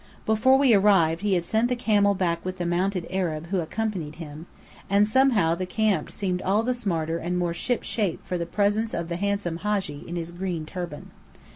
Before we arrived he had sent the camel back with the mounted Arab who accompanied him; and somehow the camp seemed all the smarter and more ship shape for the presence of the handsome Hadji, in his green turban.